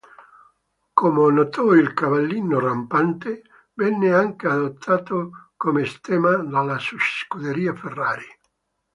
Come noto il "Cavallino Rampante" venne anche adottato come stemma dalla Scuderia Ferrari.